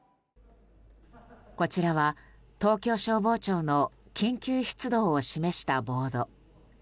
こちらは東京消防庁の緊急出動を示したボード。